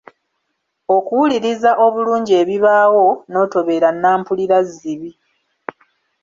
Okuwuliriza obulungi ebibaawo, n'otobeera Nampulirazzibi.